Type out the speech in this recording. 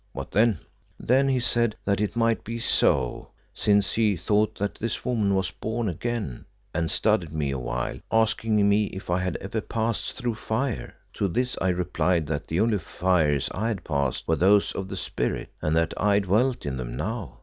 What then?" "Then he said that it might be so, since he thought that this woman was born again, and studied me a while, asking me if I had ever 'passed through fire.' To this I replied that the only fires I had passed were those of the spirit, and that I dwelt in them now.